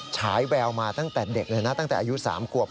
ฉายแววมาตั้งแต่เด็กเลยนะตั้งแต่อายุ๓ขวบ